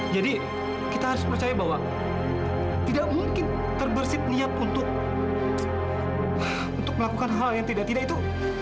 jadi kita harus percaya bahwa tidak mungkin terbersih niat untuk melakukan hal yang tidak tidak itu